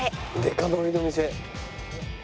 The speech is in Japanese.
デカ盛りの店。